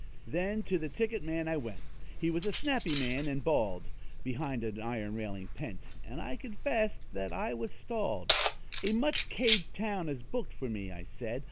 Then to the ticket man I went He was a snappy man, and bald, Behind an iron railing pent And I confessed that I was stalled. "A much K'd town is booked for me," I said.